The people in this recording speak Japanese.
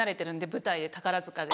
舞台で宝塚で。